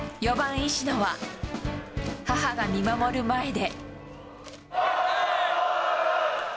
４番石野は、母が見守る前で。